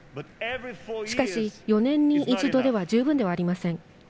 しかし４年に一度では十分ではありません。